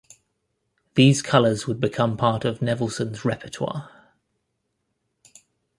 These colors would become part of Nevelson's repertoire.